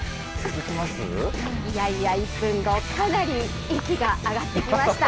いやいや、１分後、かなり息が上がってきました。